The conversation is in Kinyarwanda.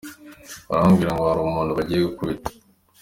Barambwira ngo hari umuntu bagiye gukubita.